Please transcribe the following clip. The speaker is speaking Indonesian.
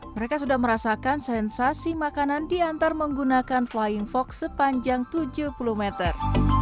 mereka sudah merasakan sensasi makanan diantar menggunakan flying fox sepanjang tujuh puluh meter